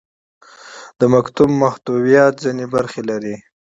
د مکتوب محتویات ځینې برخې لري.